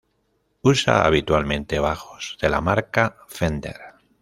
Usa habitualmente bajos de la marca "Fender".